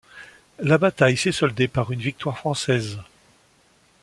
La bataille s'est soldée par une victoire française.